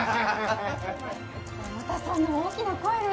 またそんな大きな声で。